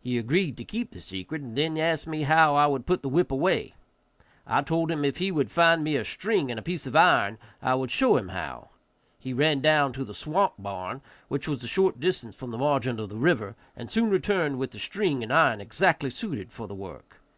He agreed to keep the secret, and then asked me how I would put the whip away. I told him if he would find me a string and a piece of iron I would show him how. He ran down to the swamp barn, which was a short distance from the margin of the river, and soon returned with the string and iron exactly suited for the work.